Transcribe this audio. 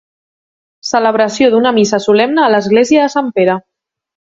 Celebració d'una missa solemne a l'església de Sant Pere.